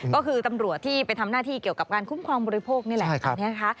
ก็คือตำรวจที่ไปทำหน้าที่เกี่ยวกับการคุ้มครองบริโภคนี่แหละนะคะ